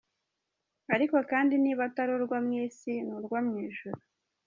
Ariko kandi niba atari urwo mu isi, ni urwo mu ijuru.